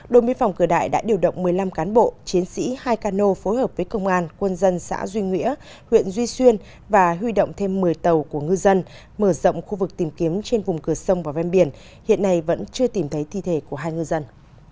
đồng biên phòng cửa đại đã điều động một mươi năm cán bộ chiến sĩ hai cano phối hợp với công an quân dân xã duy nghĩa huyện duy xuyên và huy động thêm một mươi tàu của ngư dân mở rộng khu vực tìm kiếm trên vùng cửa sông và ven biển hiện nay vẫn chưa tìm thấy thi thể của hai ngư dân